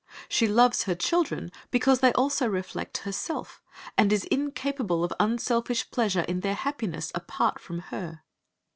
She loves her children because they also reflect herself, and is incapable of unselfish pleasure in their happiness apart from her.